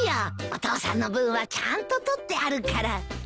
お父さんの分はちゃんと取ってあるから。